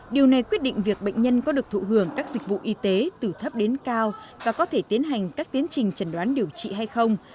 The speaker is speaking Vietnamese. điều này quyết định việc bệnh nhân có được thụ hưởng các dịch vụ y tế từ thấp đến cao và có thể tiến hành các tiến trình trần đoán điều trị hay không